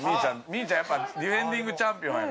みーちゃんやっぱディフェンディングチャンピオンやからね。